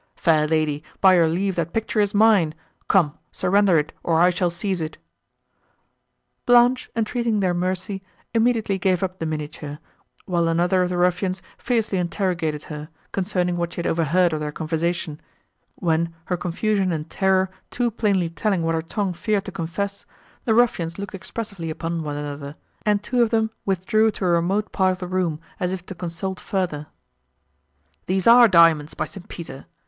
"Fair lady, by your leave that picture is mine; come, surrender it, or I shall seize it." Blanche, entreating their mercy, immediately gave up the miniature, while another of the ruffians fiercely interrogated her, concerning what she had overheard of their conversation, when, her confusion and terror too plainly telling what her tongue feared to confess, the ruffians looked expressively upon one another, and two of them withdrew to a remote part of the room, as if to consult further. "These are diamonds, by St. Peter!"